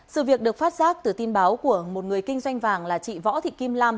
sự việc được phát giác từ tin báo của một người kinh doanh vàng là chị võ thị kim lam